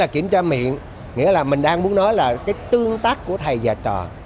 kiểm tra miệng nghĩa là mình đang muốn nói là cái tương tác của thầy và trò